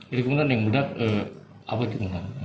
jadi pak ustaz yang ledak apa itu